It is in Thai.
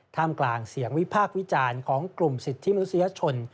กลางเสียงวิพากษ์วิจารณ์ของกลุ่มสิทธิมนุษยชน